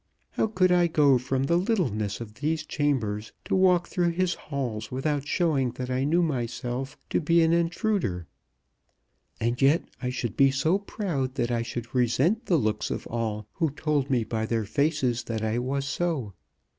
How could I go from the littleness of these chambers to walk through his halls without showing that I knew myself to be an intruder? And yet I should be so proud that I should resent the looks of all who told me by their faces that I was so.